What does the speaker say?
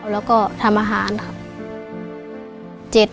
แล้วก็ทำอาหารครับ